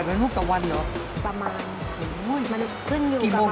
๘๐๐ลูกต่อวันเหรอประมาณมันขึ้นอยู่กับภาพ